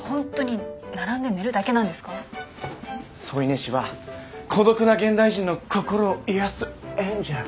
添い寝士は孤独な現代人の心を癒やすエンジェル。